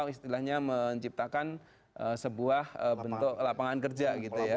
istilahnya menciptakan sebuah bentuk lapangan kerja